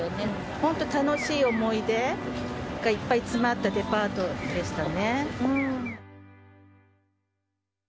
本当楽しい思い出がいっぱい詰まったデパートでしたね。